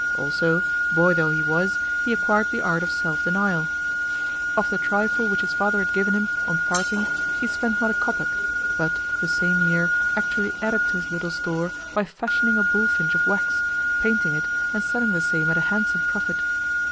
Also, boy though he was, he acquired the art of self denial. Of the trifle which his father had given him on parting he spent not a kopeck, but, the same year, actually added to his little store by fashioning a bullfinch of wax, painting it, and selling the same at a handsome profit.